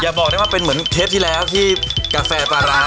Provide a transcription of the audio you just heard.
อย่าบอกได้ว่าเป็นเคปที่แล้วที่กาแฟปลาระ